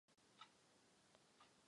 Může být toxická.